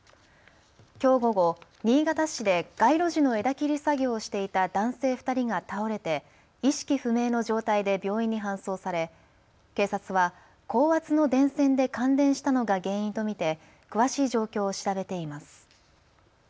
きょう午後、新潟市で街路樹の枝切り作業をしていた男性２人が倒れて意識不明の状態で病院に搬送され警察は高圧の電線で感電したのが原因と見て詳しい状況を調べています。